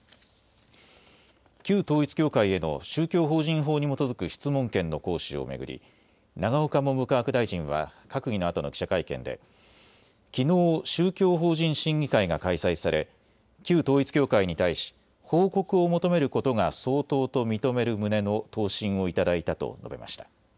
旧統一教会への宗教法人法に基づく質問権の行使を巡り永岡文部科学大臣は閣議のあとの記者会見できのう宗教法人審議会が開催され旧統一教会に対し報告を求めることが相当と認める旨の答申を頂いたと述べました。